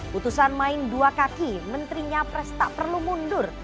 putusan main dua kaki menterinya pres tak perlu mundur